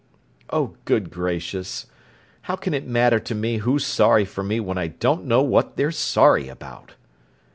"Oh, good gracious! How can it matter to me who's sorry for me when I don't know what they're sorry about!"